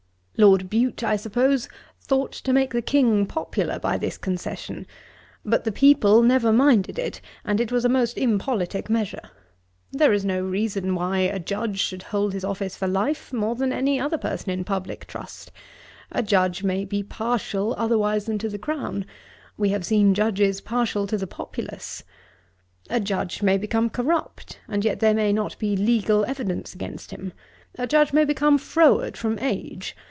Lord Bute, I suppose, thought to make the King popular by this concession; but the people never minded it; and it was a most impolitick measure. There is no reason why a Judge should hold his office for life, more than any other person in publick trust. A Judge may be partial otherwise than to the Crown: we have seen Judges partial to the populace. A Judge may become corrupt, and yet there may not be legal evidence against him. A Judge may become froward from age.